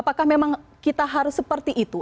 apakah memang kita harus seperti itu